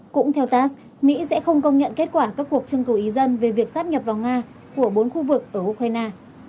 cũng theo tas mỹ sẽ không công nhận kết quả các cuộc trưng cầu ý dân về việc sắp nhập vào nga của bốn khu vực ở ukraine